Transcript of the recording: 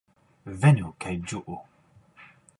Venu kaj ĝuu!